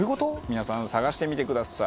皆さん探してみてください。